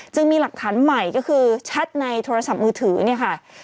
มีหลักฐานใหม่ก็คือแชทในโทรศัพท์มือถือเนี่ยค่ะ